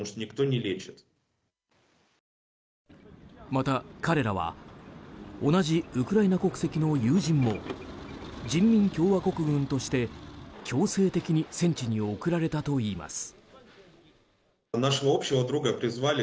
また、彼らは同じウクライナ国籍の友人も人民共和国軍として強制的に戦地に送られたといいます。